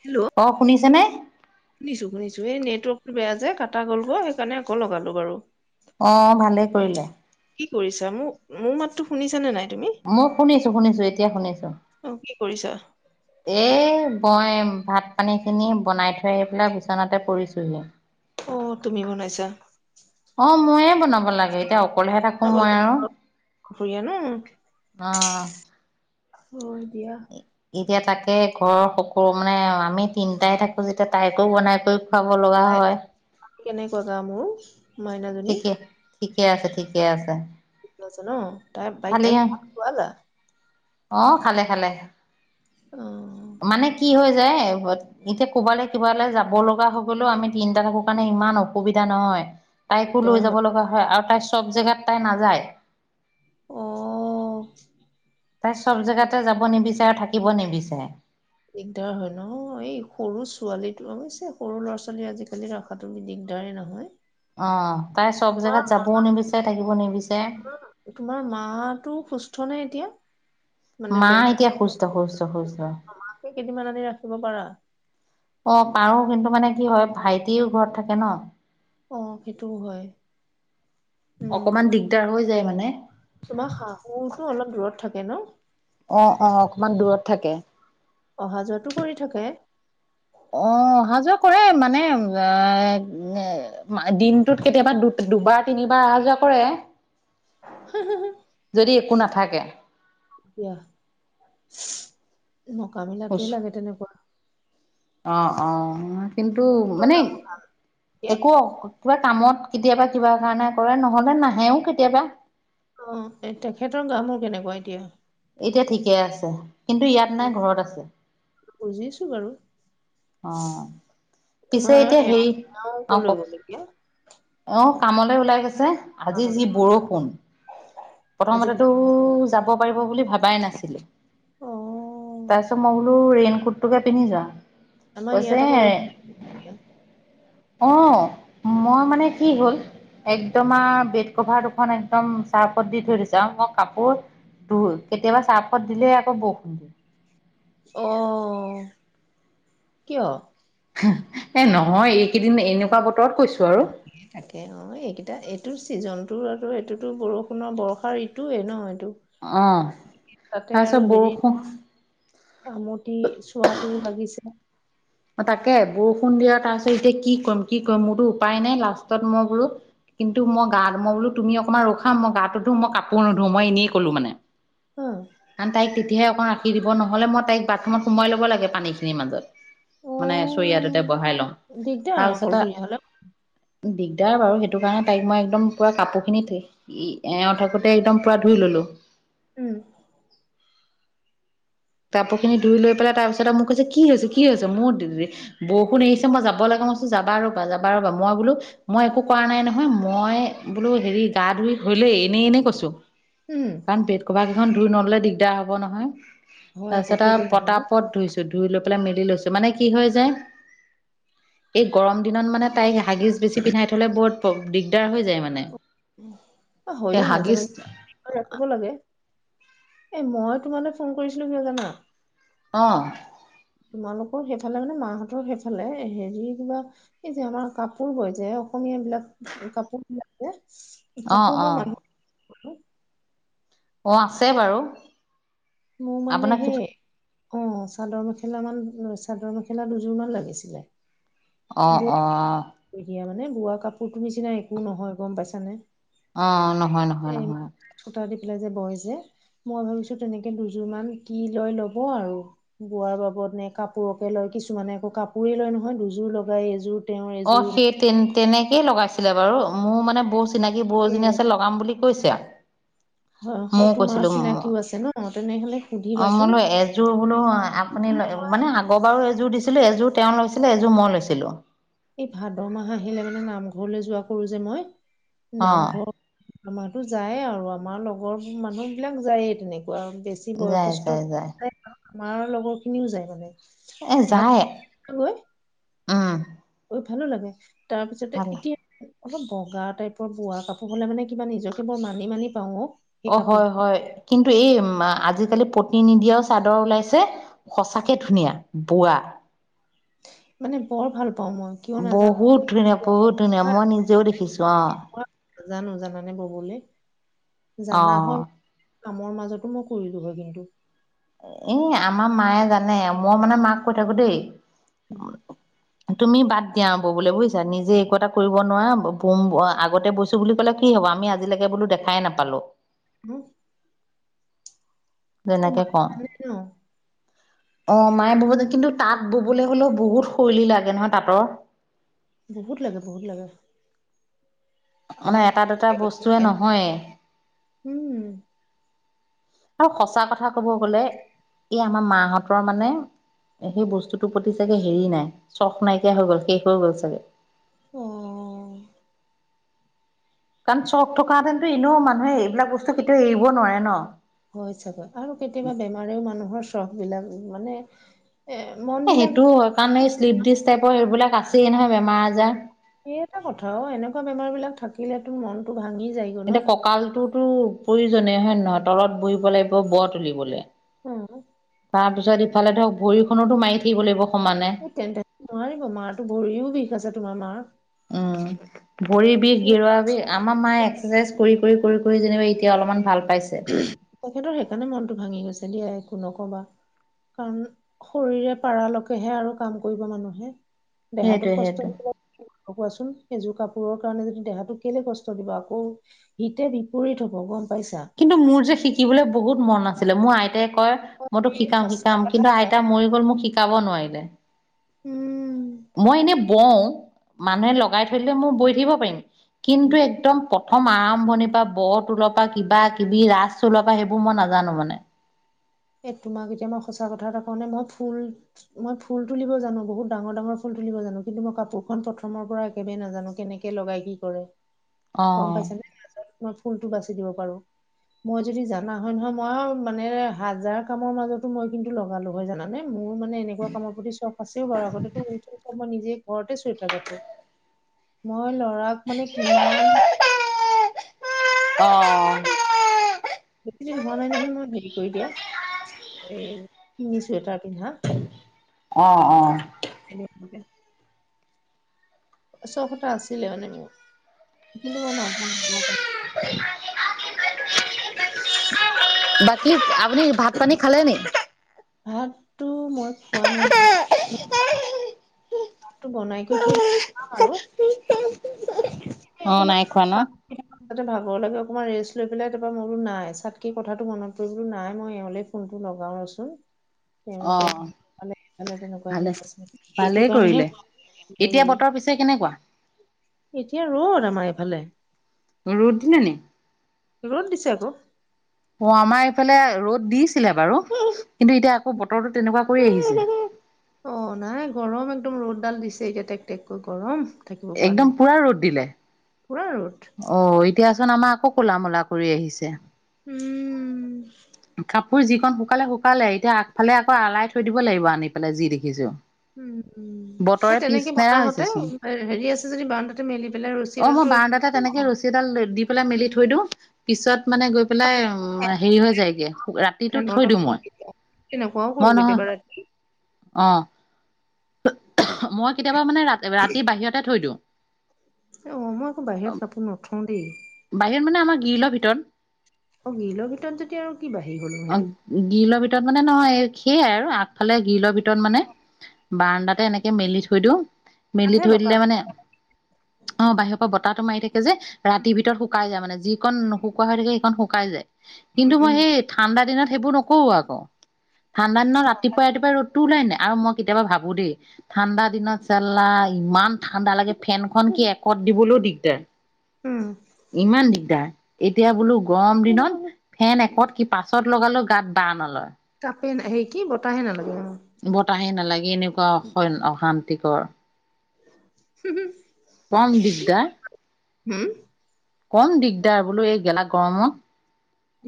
Hello অ শুনিছেনে শুনিছো-শুনিছো এই নেট, টো বেয়া যে কটা গল গ সেইকাৰণে আকৌ লগালো বাৰু, অ, ভালেই কৰিলে। কি কৰিছা মোক মোৰ মাতো শুনিছানে নাই। তুমি মই শুনিছো-শুনিছো এতিয়া শুনিছো। অ কি কৰিছা? এ মই ভাত পানী খিনি বনাই থৈ আহি পেলাই বিচনাতে পৰিছোহি। অ তুমি বনাইছা। অ, মইয়ে বনাব লাগে এতিয়া অকলেহে থাকো মই খাবলে আৰু। দুপৰীয়া ন অহ, হয় দিয়া। এতিয়া তাকে ঘৰৰ সকলো মানে আমি তিনিটাই থাকোঁ যেতিয়া তাইকো বনাই কৰি পাব লগা তাই হয়। কেনেকুৱা গা মোৰ মাইনাজনি ঠিকে ঠিকে আছে ঠিকে আছে ন তাই বাইক খালি তাইক ভাল খুৱালা অ খালে খালে অ মানে কি হল -ছে এবোৰত এতিয়া ক'বালে কিবালে যাব লগা হৈ গলেও আমি তিনটা থাকো কাৰণে ইমান অসুবিধা নহয় তাইকো লৈ যাব লগা হয় আৰু তাই চব জেগাত তাই নাযায় অ'। তাই চব জেগাতে যাব নিবিচাৰে আৰু থাকিব নিবিচাৰে দিগদাৰ হয় ন এই সৰু ছোৱালীটো অৱশ্যে সৰু ল'ৰা ছোৱালী আজিকালি ৰাখাটো দিগদাৰ -দাৰে নহয় অ তাই চব তোমাৰ জেগাত যাবও নিবিচাৰে থাকিবও নিবিচাৰে তোমাৰ মাতো সুস্থ নে এতিয়া মানে মা বেমাৰ এতিয়া সুস্থ সুস্থ সুস্থ কেইদিনমান আনি ৰাখিব পাৰা। অ পাৰো কিন্তু মানে কি হয় ভাইটিও ঘৰত থাকে ন অ সেইটোও হয় উম। অকমান দিগদাৰ হৈ যায় মানে তোমাৰ শাহুটো অলপ দূৰত থাকে ন অ অ অকমান দূৰত থাকে অহা যোৱাটো কৰি থাকে অ', অহা যোৱা কৰে মানে দিনটোত কেতিয়াবা দুবাৰ তিনিবাৰ অহা যোৱা কৰে [unintelligible] যদি একো নাথাকে এতিয়া মকা মেলাটোৱে লাগে তেনেকুৱা অ অ কিন্তু তেখেতৰ মানে গা মূৰ এতিয়া একো কিবা কামত কেতিয়াবা কিবা কাৰণে কৰে নহলে নাহেও কেতিয়াবা অ এ তেখেতৰ গা মোৰ কেনেকুৱা এতিয়া এতিয়া ঠিকে আছে কিন্তু ইয়াত অ নাই ঘৰত আছে বুজিছো বাৰু অ পিছে তোমাৰ এতিয়া এওঁ হেৰি এওঁ অ কলৈ কওক গ'ল এতিয়া অ কামলে ওলাই গৈছে আজি সকামলৈ? যি বৰষুণ আজি প্ৰথমতেতো বিশেষ যাব পাৰিব বুলি ভাবাই নাছিলোঁ, অ তাৰপিছত মই বোলো ৰেইন কোটটোকে পিন্ধি যাওঁ। আমাৰ কৈছে ইয়াত আকৌ ৰ'দ এতিয়া। অ মই মানে কি হ'ল একদম আৰু বেড কভাৰ দুখন একদম চাৰ্ফত দি থৈ দিছো আৰু মই কাপোৰ কেতিয়াবা চাৰ্ফত দিলেই আকৌ বৰষুণ দিয়ে অ কিয় এ নহয় এইকেইদিন এনেকুৱা বতৰ থাকে অ এইকেইটা এইটো ছিজনটো আৰু এইটোতো বৰষুণৰ বৰ্ষাৰ ঋতুয়ে ন অ'। তাতে তাৰপিছত আৰু হেৰি বৰষুণ ন আমটি চোৱাটোও লাগিছে অ তাকে বৰষুণ দিয়া তাৰপিছত এতিয়া কি কৰিম কি কৰিম মোৰতো উপায় নাই লাষ্টত মই বোলো কিন্তু মই গা মই বোলো তুমি অকমান ৰখা মই গাটো ধো মই কাপোৰ নুধো মই এই ক'লো মানে হা কাৰণ তাই কেতিয়া ৰাখি দিব নহলে মই তাইক বাথৰুমত সোমোৱাই ল'ব লাগে পানী খিনিৰ মাজত মানে চৰিয়াটোতে অ' বহাই লও দিগদাৰ অকলশৰীয়া হ'লে দিগদাৰ বাৰু, সেইটো কাৰণে তাইক মই একদম পুৰা কাপোৰখিনি ই-এওঁ থাকোঁতে একদম পুৰা ধুই ললোঁ। উম কাপোৰ খিনি ধুই লৈ পেলাই তাৰ পিছতে মোক কৈছে কি হৈছে কি হৈছে মোৰ বৰষুণ এৰিছে মই যাব লগা মই কৈছোঁ যাবা ৰ'বা - যাবা ৰবা মই বোলো মই একো কৰা নাই নহয় মই বোলো হেৰি গা ধুই [unintelligible] এনেই -এনেই কৈছো উম কাৰণ বেট কভাৰ কেইখন ধুই নললে দিগদাৰ হব নহয়। হয় আকৌ তাৰপিছত কেলে আৰু নহব পতা পত ধুইছো ধুই লৈ পেলাই মেলি লৈছো। মানে কি হয় য এই গৰম দিনত মানে তাইক হাগিছ বেছি পিন্ধাই থ'লে [unintelligible] দিগদাৰ হৈ যায় মানে। অ, হয়ো এই মাজে - হাগিজ মাজে নিপিন্ধাও ৰাখিব লাগে। এ মই তোমালৈ ফোন কৰিছিলো কিয় জানা অ'। তোমালোকৰ সেইফালে মানে মাহতৰ সেইফালে, হেৰি কিবা এই যে আমাৰ কাপোৰ বয় যে বিলাক কাপোৰ বিলাক যে, অ কাপোৰ অ [unintelligible] মানুহ অ', আছে বাৰু। মোৰ মানে আপোনাক সেই অঁ চাদৰ মখ মেখেলা মান, চাদৰ মেখেলা দুযোৰ মান লাগিছিলে। অ', বৈ অ'। দিয়া মানে বোৱা কাপোৰতো নিচিনা একো নহয় গম পাইছানে? অ', নহয় নহয় এই নহয়। [unintelligible] যে বয় যে। মই ভাবিছো তেনেকে দুযোৰ মান কি লৈ ল'ব আৰু বোৱাৰ বাবদ নে কাপোৰকে লৈ কিছুমানে আকৌ কাপোৰেই লয় নহয়, দুযোৰ লগাই এইযোৰ অ', সেই তেন-তেনেকেই লগাইছিলে বাৰু মোৰ মানে বৌ চিনাকি বৌ এ এজনী আছে লগাম বুলি কৈছা। হয় মইও তোমাৰ কৈছিলো। চিনাকিও আছে ন তেনেহলে অ', সুধিবাচোন বোলো এযোৰ বোলো আপুনি মানে আগৰ বাৰো এযোৰ দিছিলো, এযোৰ তেওঁ লৈছিলে, এযোৰ মই লৈছিলো। এই ভাদ মাহ আহিলে মানে নামঘৰলৈ যোৱা কৰো যে মই, অ নামঘৰ আমাৰতো যায়ে আৰু আমাৰ লগৰ মানুহ বিলাক যায়ে তেনেকে। বেছি যায় বয়সস্থ, যায় যায় [unintelligible] আমাৰ লগৰ খিনিও যায় মানে। এ ভাগ যায়, গৈ উম। ঐ ভালো লাগে, তাৰপিছতে ভাল এতিয়া অলপ বগা টাইপৰ বোৱা কাপোৰ হলে মানে কিবা নিজকে মই মানি মানি পাওঁ অ'। সেই অ', কাপোৰ হয় হয়। কিন্তু এই আজিকালি প্ৰতি নিদিয়াও চাদৰ ওলাইছে সঁচাকে ধুনীয়া, বোৱা। [inaudible] ভাল পাওঁ মই কিয় নাজানো বহুত ধুনীয়া বহুত ধুনীয়া মই নিজেও দেখিছো অৱ। জানো জানানে ববলে, অ জানা হয় কামৰ মাজতো মই কৰিলোগ কিন্তু এ আমাৰ মায়ে জানে মই মানে মাক কৈ থাকো দেই। উম। তুমি বাদ দিয়া ববলে বুইছা নিজে একো এটা কৰিব নোৱাৰা বুম আগতে বৈছো বুলি ক'লে কি কি হ'ব আমি আজিলৈকে বোলো দেখাইে নাপালোঁ। উম। অ মা যেনেকে কওঁ। জানে ন অৱ মায়ে বহোতে কিন্তু তাঁত ববলৈ হলেও বহুত শৈলী লাগে নহয় তাঁতৰ। বহুত লাগে বহুত লাগে। মানে আমাৰ মা এটা দুটা বস্তুৱে নহয়ে। উম আৰু সঁচা কথা ক'ব গলে, এই আমাৰ মাহঁতৰ মানে এ সেই বস্তুটোৰ প্ৰতি চাগে হেৰি নাই চখ' নাইকিয়া হৈ গ'ল শেষ হৈ গ'ল চাগে। অ। কাৰণ চখ থকাহেতেনো এনেও মানুহে এইবিলাক বস্তু কেতিয়াও এৰিব নোৱাৰে ন। হয় চাগৈ আৰু কেতিয়াবা বেমাৰেও মানুহৰ চখ বিলাক মানে এ মন বিলাক সেইটোও হয়। কাৰণ এই শ্লিপ ডিচ টাইপৰ সেইবিলাক আছেই নহয় বেমাৰ আজাৰ। সেইটো কথা অ এনেকুৱা বেমাৰ বিলাক থাকিলেটো মনটো ভাঙি যায় ন। টো প্ৰয়োযনে হয় নে নহয়, তলত বহিব লাগিব ব তুলিবলৈ। হু তাৰপিছত ইফালেটো ভৰিখনতো মাৰি দিব লাগিব। সমানে ই তেন্ত নোৱাৰিব মাৰটো ভৰিও বিষ আছে তোমাৰ মাৰ। উম ভৰিৰ বিষ, গেৰুৱা সেইকাৰণে বিষ, আমাৰ মায়ে এক্সাৰচাইজ কৰি-কৰি-কৰি-কৰি তেওঁ এতিয়া অলপমান ভাল পাইছে। তেখেতৰ সেই কাৰণে মনতটো ভাঙি গৈছে দিয়া একো নকবা। কাৰণ শৰীৰে পাৰালৈকেহে আৰু কাম কৰিব মানুহে। দেহাটো সেইটোৱে কষ্ট সেইটোৱে কৰি পেলাই লগোৱা চোন। এযোৰ কাপোৰৰ কাৰণে যদি দেহাটোক কেলে কষ্ট দিব আকৌ হিতে বিপৰীত হব গম পাইছা। কিন্তু মোৰ যে শিকিবলৈ বহুত মন আছিলে, মোৰ আইতাই- হয়, মই মইতো এই শিকাম সঁচা শিকাম কথা কিন্তু কওঁ। আইতা মৰি গ'ল মোক শিক্ষাব নোৱাৰিলে। উম মই এনে বওঁ, মানুহে উম, লগাই থৈ দিলে মই বৈ দিব পাৰিম। উম। কিন্তু একদম প প্ৰথম আৰম্ভণিৰ পৰা ব তুলৰ পৰা কিবা কিবি ৰাস তুলাবো সেইবোৰ মই নাজানো মানে। এ তোমাক এতিয়া মই সঁচা কথা এটা কওঁনে বাৰু মই ফুল মই ফুল তুলিব জানো বহুত ডাঙৰ ডাঙৰ ফুল- তুলিব জানো কিন্তু মই কাপোৰখন প্ৰথমৰ পৰা একেবাৰে নাজানো কেনেকে লগাই কি কৰে। অ গম পাইছানে মই ফুলতটো বাছি - তুলিব পাৰো, মই যদি জানা হয় নহয়, মইও মানে হাজাৰ কামৰ মাজতো মই কিন্তু লগা লগাই জানানে। মোৰ মানে এনেকুৱা কামৰ প্ৰতি চখ আছে বাৰু আগতেটো উঠি উঠি মই নিজে ঘৰতে চুৱেটাৰ কাটো। মই ল'ৰাক মানে কিমান- অ সেইপিনে হোৱা নাই নহয় মই হেৰি কৰি দিয়া। এ নি চুৱেটাৰ পিন্ধা। অ, অ শোক এটা আছিলে মানে মোৰ কিন্তু মই নাজানো। বাকী আপুনি ভাত -পানী খালে নি? টো মই খোৱা নাই। টো বনাই গৈ থৈ দিম আৰু অ অকমান নাই খোৱা ন? [unintelligible] [unintelligible] [unintelligible] অকমান ৰেষ্ট লৈ পেলাই তাৰপৰা মোৰো নাই চাওঁ কথাটো মনত পৰিবলৈ নাই মই এমএলএ ক ফোনটো লগাওচোন। অ তেওঁলোকক মানে তেনেকুৱা ভালে। আছে এইটো ভালেই কাৰণেহে কৰিলে। মই হেৰি এতিয়া বতাহ পিছে কেনেকুৱা? এতিয়া ৰ'দ আমাৰ এইফালে। ৰ'দ দিনা নে? ৰ' দিছে আকৌ। অ আমাৰ এইফালে ৰ'দ দি ছিলে বাৰু কিন্তু এতিয়া আকৌ বতৰটো তেনেকুৱা কৈ আহিছে। অ নাই গৰম একদম ৰ'দ ডাল দিছে এতিয়া টেক টেকৈ গৰম। একদম পুৰা ৰ'দ দিলে। পূৰা ৰ'দ। দিয়াচোন আমাৰ আকৌ ক'লা মোলা কৰি আহিছে। উম। ঐ যিখন শুকালে শুকালে এতিয়া আগফালে আকৌ আলাই থৈ দিব লাগিব আনি পেলাই যি দেখিছো। উম উম সেই বতৰে পিছ তেনেকে নেৰা বতাহতে হৈছেচোন হেৰি আছে যদি বান্দটোতে মেলি পেলাই ৰছী এডাল তৰি- তেনেকৈ লৈ ৰছীডাল দি পেলাই মেলি থৈ দিওঁ পিছত- মানে গৈ পেলাই হেৰি হৈ যায় গে ৰাতিটো থৈ দিওঁ মই। কেনেকুৱাও কৰোঁ কেতিয়াবা ৰাতি। অৱ। মই, কেতিয়াবা মানে ৰাত ৰাতি বাহিৰতে থৈ দিওঁ। অৱ, মই আকৌ বাহিৰত কাপোৰ নথওঁ দেই। বাহিৰত মানে, আমাৰ গ্লীলৰ ভিতৰত। অ গ্লীলৰ ভিতৰত যেতিয়া আৰু কি বাহিৰ হলো অ' সেইটো গ্ৰীলৰ ভিতৰত মানে নহয়। সেইয়াই আৰু আগফালে গ্ৰীলৰ ভিতৰত মানে। বাৰাণ্ডাতে এনেকে মেলি থৈ দিওঁ। মেলি তাতহে থৈ দিলে বতাহ মানে, অ' বাহিৰৰ পৰা বতাহটো মাৰি থাক যে ৰাতিৰ ভিতৰত শুকাই যায় মানে, যিকন নুশুকোৱা হৈ থাকে, সেইখনণ শুকাই যায়। কিন্তু উম মই উম সেই ঠাণ্ডা দিনত সেইবোৰ নকৰো আকৌ। ঠাণ্ডা দিনত ৰাতিপুৱাই ৰাতিপুৱাই ৰ'দ। তুলাই নাই আৰু মই কেতিয়াবা ভাবো দেই, ঠাণ্ডা দিনত চাল্লা ইমান ঠাণ্ডা লাগে ফেনখন। কি একত দিবলৈও দিগদাৰ। উম ইমান দিগদাৰ, এতিয়া বোলো গৰম দিনত, ফেন একত কিত? পাছত লগালেও গাত বাঁহ নলয়। ফেন, হেৰি কি বতাহে নালাগে অ'। বতাহে নালাগে, এনেকুৱা অশইন‌ অশান্তিকৰ। হো হো কম, দিগদাৰ। হম কম দিগদাৰ বোলো, এই গেলা গৰমত।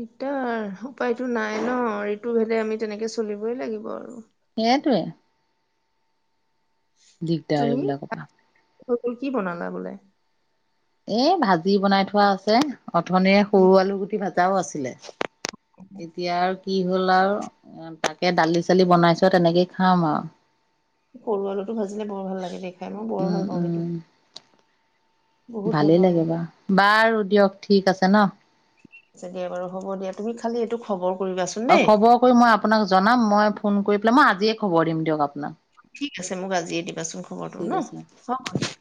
দিগদাৰ উপায়তো নাই ন, ঋতুভেদে আমি তেনেকে চলিবই লাগিব আৰু। এইটোৱেই। দিগদাৰ এইবিলাকৰ পা এইটো কি বনালা বোলে? এ, ভাজি বনাই থোৱা আছে। অথনিয়ে সৰু উম, আলু গুটি ভাজাও আছিলেই। এতিয়া আৰু কি? গ'ল আৰু তাকে দালি চালি বনাইছে তেনেকেই খাম আও সৰু আলুটো ভাজিলে বৰ ভাল লাগে দে খাই। মই বৰ উম ভাল পাওঁ, সেইটো। উম বহুত ভাল ভালেই পাওঁ মই লাগে বা, বাৰু দিয়ক ঠিক আছে ন। চাগে এবাৰু হ'ব দিয়া, তুমি খালি এইটো খবৰ। কৰিবাচোন অ' দেই খবৰ কৰি মই আপোনাক জনাম মই ফোন কৰি পেলাই, মই আজিয়ে খবৰ দিম দিয়ক আপ ঠিক আছে, মোক আজিয়ে দিবাচোন খবৰটো ঠিক ন আছে হ'ব দিয়া।